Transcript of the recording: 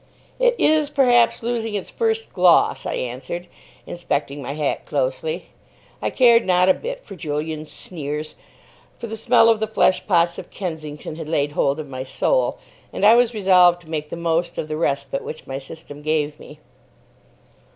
"It is, perhaps, losing its first gloss," I answered, inspecting my hat closely. I cared not a bit for Julian's sneers; for the smell of the flesh pots of Kensington had laid hold of my soul, and I was resolved to make the most of the respite which my system gave me.